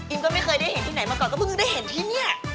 ก็ไม่เคยได้เห็นที่ไหนมาก่อนก็เพิ่งได้เห็นที่นี่